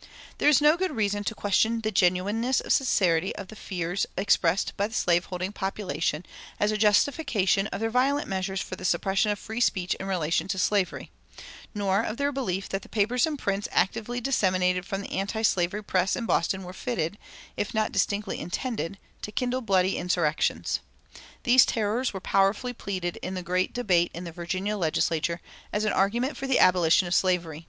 "[281:1] There is no good reason to question the genuineness and sincerity of the fears expressed by the slave holding population as a justification of their violent measures for the suppression of free speech in relation to slavery; nor of their belief that the papers and prints actively disseminated from the antislavery press in Boston were fitted, if not distinctly intended, to kindle bloody insurrections. These terrors were powerfully pleaded in the great debate in the Virginia legislature as an argument for the abolition of slavery.